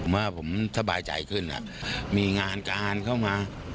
ว่าผมสบายใจขึ้นมีงานการเข้ามา